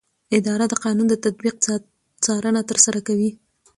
اداره د قانون د تطبیق څارنه ترسره کوي.